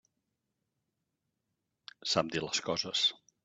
Sap dir les coses.